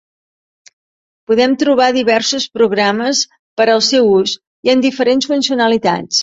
Podem trobar diversos programes per al seu ús i amb diferents funcionalitats.